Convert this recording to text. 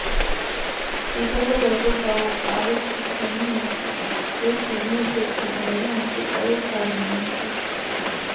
ისევე, როგორც „დაუკარით ჩემი მუსიკა“, ეს ფილმიც ეფუძნება მუსიკალურ სეგმენტებს.